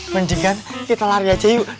mendingan kita lari aja yuk